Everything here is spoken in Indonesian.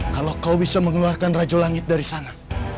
kalau kau bisa mengeluarkan rajo langit dari sana